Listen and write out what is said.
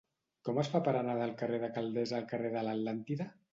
Com es fa per anar del carrer de Calders al carrer de l'Atlàntida?